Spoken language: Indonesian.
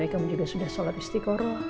kamu juga sudah solat istiqorah